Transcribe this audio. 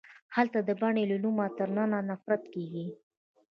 هلته د بنې له نومه تر ننه نفرت کیږي